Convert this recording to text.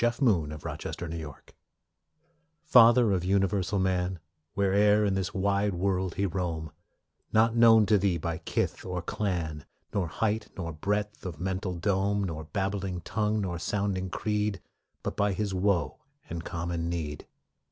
_ FATHER OF UNIVERSAL MAN Father of Universal Man, Where'er in this wide world he roam, Not known to thee by kith or clan, Nor height, nor breadth of mental dome, Nor babbling tongue, nor sounding creed, But by his woe and common need.